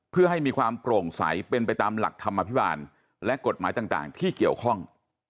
เพื่อให้มีความโปร่งใสเป็นไปตามหลักธรรมอภิบาลและกฎหมายต่างที่เกี่ยวข้อง